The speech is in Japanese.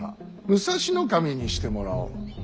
武蔵守にしてもらおう。